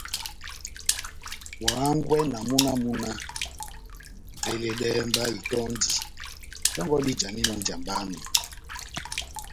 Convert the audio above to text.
Wa hángwɛ na múna wamu náh :« veledɛhɛ mba itɔ́ndi dɔngɔ dijaninɔ ó njamba yami »